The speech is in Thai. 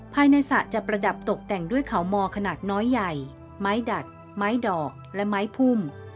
สระจะประดับตกแต่งด้วยเขามอขนาดน้อยใหญ่ไม้ดัดไม้ดอกและไม้พุ่ม